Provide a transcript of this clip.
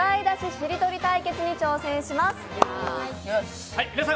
しりとり対決に挑戦します。